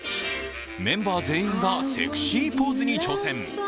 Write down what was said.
メンバー全員がセクシーポーズに挑戦。